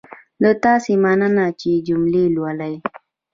له تاسې مننه چې جملې لولئ.